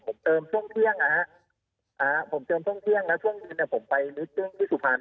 ผมเติมช่วงเที่ยงนะฮะผมเติมช่วงเที่ยงแล้วช่วงเย็นเนี่ยผมไปมิดเครื่องที่สุพรรณ